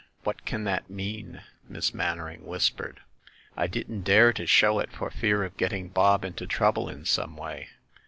"What can that mean ?" Miss Mannering whispered. "I didn't dare to show it for fear of getting Bob into trouble in some way.